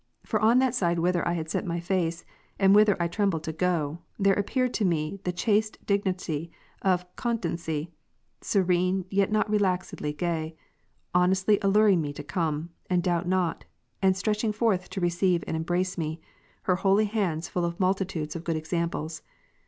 For on that side w^hi ther I had set my face, and whither I trembled to go, there appeared unto me the chaste dignity of Continency, serene, yet not relaxedly gay, honestly alluring me to come, and doubt not ; and stretching forth to receive and embrace me, her holy hands full of multitudes of good examples.